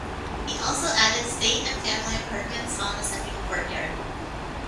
He also added state and family apartments on the second courtyard.